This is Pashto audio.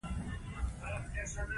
د قونسل جنرال مېلمانه شولو.